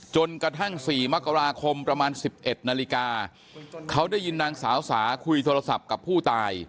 จนกระทั่งสี่มักราคมประมาณ๑๑นาฬิกา